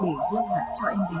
để gương mặt cho em bé